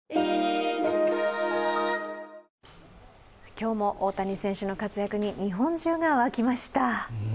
今日も大谷選手の活躍に日本中が沸きました。